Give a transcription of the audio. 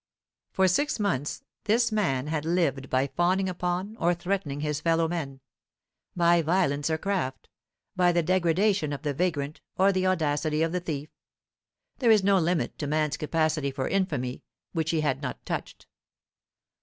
For six months this man had lived by fawning upon or threatening his fellow men; by violence or craft; by the degradation of the vagrant or the audacity of the thief. There is no limit to man's capacity for infamy which he had not touched.